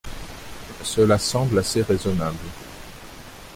Cela semble assez raisonnable.